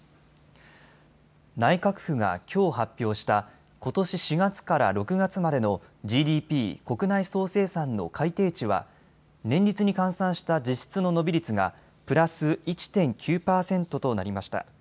内閣府がきょう発表したことし４月から６月までのＧＤＰ・国内総生産の改定値は年率に換算した実質の伸び率がプラス１．９％となりました。